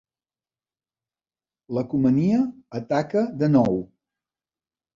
L'Ecomania ataca de nou.